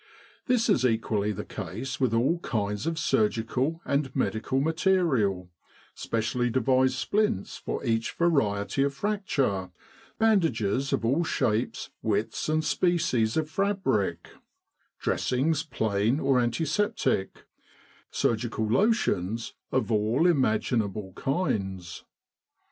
This is equally the case with all kinds of surgical and medical material specially devised splints for each variety of fracture; bandages of all shapes, widths, and species of fabric ; dressings plain or antiseptic ; surgical lotions of all imaginable kinds.